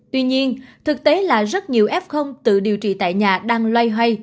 tuy nhiên thực tế là rất nhiều f tự điều trị tại nhà đang loay hoay